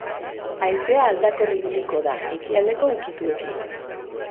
Haizea aldakor ibiliko da, ekialdeko ukituekin.